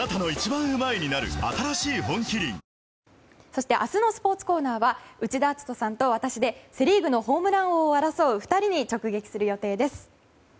そして明日のスポーツコーナーは内田篤人さんと私でセ・リーグのホームラン王を争う２人に直撃する予定です。